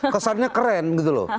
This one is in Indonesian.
kesannya keren gitu loh